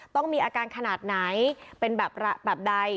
ต้องมีอาการขนาดไหนเป็นแบบใด